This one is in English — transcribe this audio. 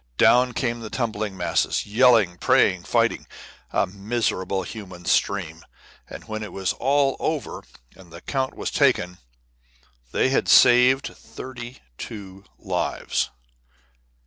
Down came the tumbling mass, yelling, praying, fighting, a miserable human stream; and when it was all over and the count was taken, they had saved thirty two lives.